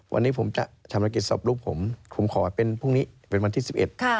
วันนี้ผมจะทำภารกิจสอบรูปผมผมขอเป็นพรุ่งนี้วันที่๑๑